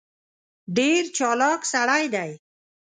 ډېر چالاک سړی دی.